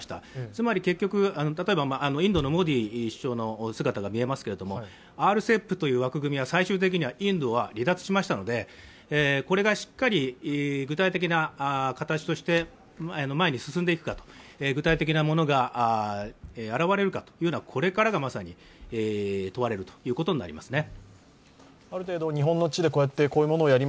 つまりインドのモディ首相の姿が見えますけど、ＲＣＥＰという枠組みはインドは離脱しましたので、これがしっかり具体的な形として前に進んでいくか、具体的なものが現れるかはこれからがまさに問われるということになりますね。